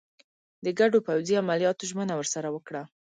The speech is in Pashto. د ګډو پوځي عملیاتو ژمنه ورسره وکړه.